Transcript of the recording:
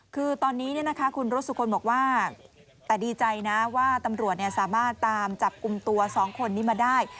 คือตอนนี้เนี่ยนะคะคุณรสชะคนบอกว่าแต่ดีใจนะว่าตำรวจเนี่ยสามารถตามจับกลุ่มตัวสองคนนี้มาได้